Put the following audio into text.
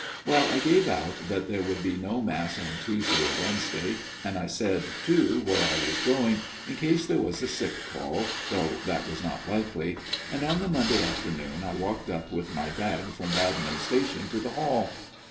" Well, I gave out that there would be no Mass on Tuesday or Wednesday and I said, too, where I was going, in case there was a sick call, though that was not likely ; and on the Monday afternoon I walked up with my bag from Baddenham station to the Hall.